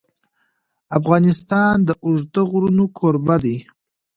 افغانستان د اوږده غرونه کوربه دی.